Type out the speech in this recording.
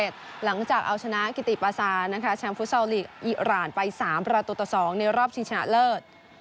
ตลอดรอบเอาชนะกิติปาซานแชมป์ฟุตเซลล์ภูมิอีอร่านไป๓ประตูต่อ๒รอบในเชียงชนะเลิศ